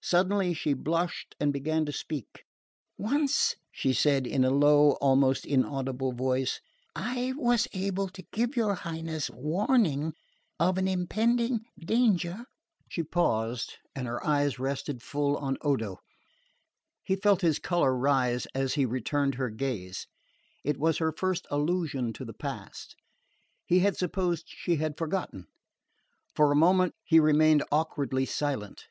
Suddenly she blushed and began to speak. "Once," she said in a low, almost inaudible voice, "I was able to give your Highness warning of an impending danger " She paused and her eyes rested full on Odo. He felt his colour rise as he returned her gaze. It was her first allusion to the past. He had supposed she had forgotten. For a moment he remained awkwardly silent.